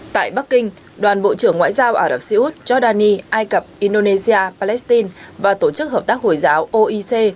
tại bắc kinh đoàn bộ trưởng ngoại giao ả rập xê út giordani ai cập indonesia palestine và tổ chức hợp tác hồi giáo oec